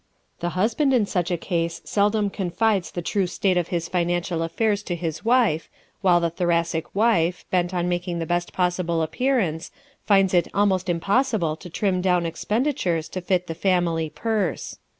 The husband in such a case seldom confides the true state of his financial affairs to his wife while the Thoracic wife, bent on making the best possible appearance, finds it almost impossible to trim down expenditures to fit the family purse.